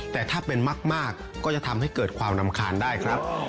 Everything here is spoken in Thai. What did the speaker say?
แต่ถ้าเป็นมากก็จะทำให้เกิดความรำคาญได้ครับ